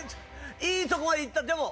いいとこまでいったでも。